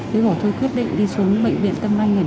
thế rồi tôi quyết định đi xuống bệnh viện tân manh này